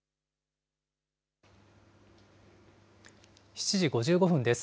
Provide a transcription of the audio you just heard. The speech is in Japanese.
７時５５分です。